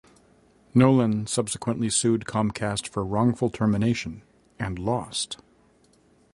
Nolan subsequently sued Comcast for wrongful termination, and lost.